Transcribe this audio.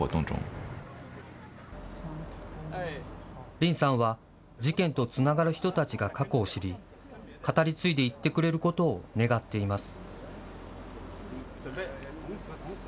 林さんは事件とつながる人たちが過去を知り、語り継いでいってくれることを願っています。